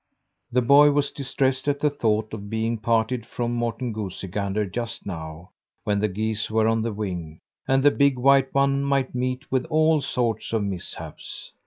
The boy was distressed at the thought of being parted from Morten Goosey Gander just now, when the geese were on the wing, and the big white one might meet with all sorts of mishaps.